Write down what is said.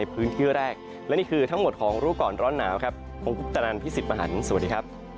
โปรดติดตามตอนต่อไป